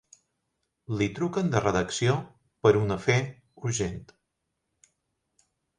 Li truquen de redacció per un afer urgent.